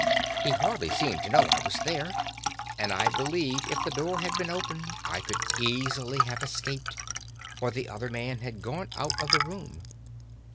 He hardly seemed to know I was there, and I believe if the door had been open I could easily have escaped, for the other man had gone out of the room.